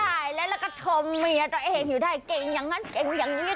โอ้ยจ่ายแล้วล่ะกระทมเมียตัวเองเผ็ดได้เก่งอย่างนั้นเก่งอย่างนี้